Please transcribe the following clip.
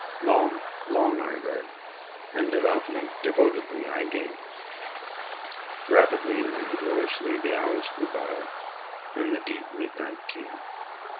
Long, long I read—and devoutly, devotedly I gazed. Rapidly and gloriously the hours flew by and the deep midnight came.